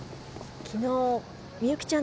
昨日みゆきちゃん